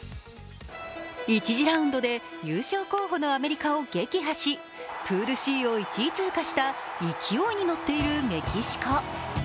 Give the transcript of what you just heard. １次ラウンドで優勝候補のアメリカを撃破し、プールＣを１位通過した勢いに乗っているメキシコ。